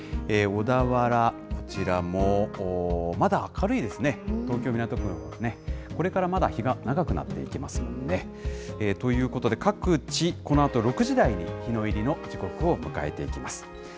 小田原、こちらもまだ明るいですね、東京・港区も、これからまだ日が長くなっていきますもんね。ということで、各地、このあと６時台に日の入りの時刻を迎えていきます。